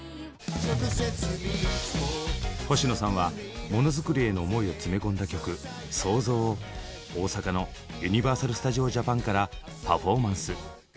星野さんはもの作りへの思いを詰め込んだ曲「創造」を大阪のユニバーサル・スタジオ・ジャパンからパフォーマンス。